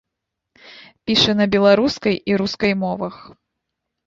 Піша на беларускай і рускай мовах.